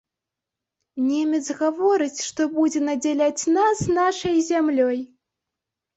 Немец гаворыць, што будзе надзяляць нас нашай зямлёй!